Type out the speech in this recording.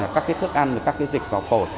các thức ăn các dịch vào phổ